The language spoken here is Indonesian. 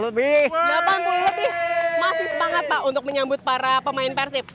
lebih delapan puluh lebih masih semangat pak untuk menyambut para pemain persib